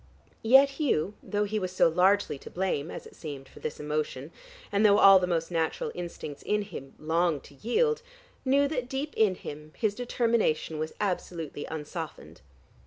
Yet Hugh, though he was so largely to blame, as it seemed, for this emotion, and though all the most natural instincts in him longed to yield, knew that deep in him his determination was absolutely unsoftened.